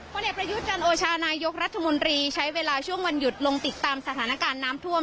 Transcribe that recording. เอกประยุทธ์จันโอชานายกรัฐมนตรีใช้เวลาช่วงวันหยุดลงติดตามสถานการณ์น้ำท่วม